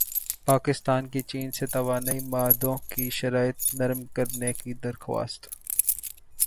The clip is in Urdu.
پاکستان کی چین سے توانائی معاہدوں کی شرائط نرم کرنے کی درخواست